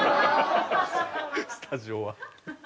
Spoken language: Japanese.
スタジオは。